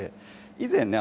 以前ね